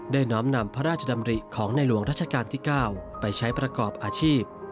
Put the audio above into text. น้อมนำพระราชดำริของในหลวงรัชกาลที่๙ไปใช้ประกอบอาชีพ